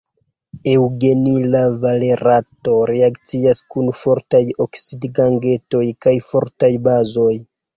Eŭgenila valerato reakcias kun fortaj oksidigagentoj kaj fortaj bazoj.